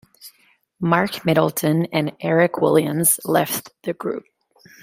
Mark Middleton and Eric Williams left the group.